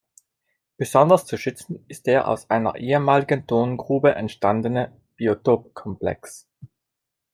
Besonders zu schützen ist der aus einer ehemaligen Tongrube entstandene Biotopkomplex.